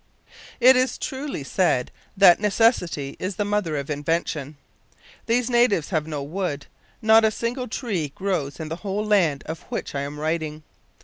It is truly said that "necessity is the mother of invention." These natives have no wood. Not a single tree grows in the whole land of which I am writing.